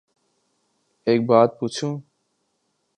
ایک بات پو چوں